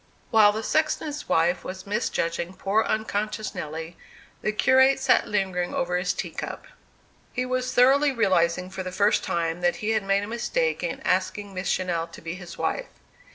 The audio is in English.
While the sexton's wife was misjudging poor unconscious Nelly, the curate sat lingering over his tea cup. He was thoroughly realizing, for the first time, that he had made a mistake in asking Miss Channell to be his wife.